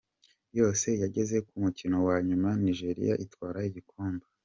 Yose yageze ku mukino wa nyuma Nigeria itwara igikombe.